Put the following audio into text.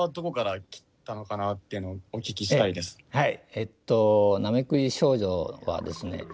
えっと「なめくじ少女」はですね